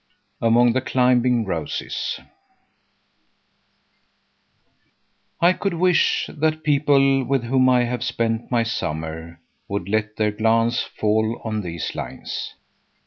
AMONG THE CLIMBING ROSES I could wish that the people with whom I have spent my summer would let their glance fall on these lines.